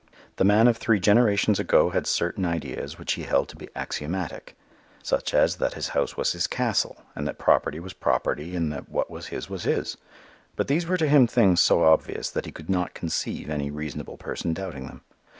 The man of three generations ago had certain ideas which he held to be axiomatic, such as that his house was his castle, and that property was property and that what was his was his. But these were to him things so obvious that he could not conceive any reasonable person doubting them.